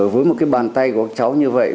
với một cái bàn tay của cháu như vậy